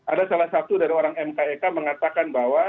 ada salah satu dari orang mkek mengatakan bahwa